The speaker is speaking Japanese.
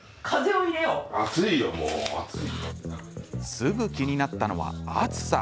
すぐ気になったのは暑さ。